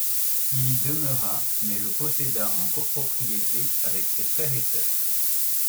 Il y demeura, mais le posséda en copropriété avec ses frères et sœurs.